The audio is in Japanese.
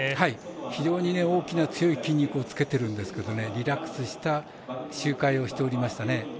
非常に大きな強い筋肉をつけているんですけどリラックスした周回をしておりましたね。